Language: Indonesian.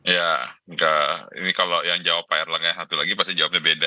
ya enggak ini kalau yang jawab pak erlang ya satu lagi pasti jawabnya beda